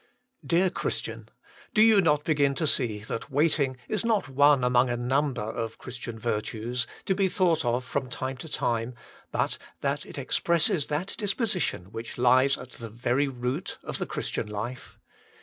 Dear Christian ! do you not begin to see that waiting is not one among a number of Christian virtues, to be thought of from time to time, but that it expresses that disposition which lies at the very root of the Christian life